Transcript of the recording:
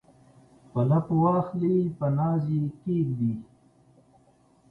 په لپو واخلي په ناز یې کښیږدي